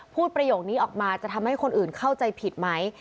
ประโยคนี้ออกมาจะทำให้คนอื่นเข้าใจผิดไหม